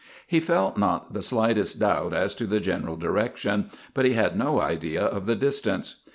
He felt not the slightest doubt as to the general direction, but he had no idea of the distance.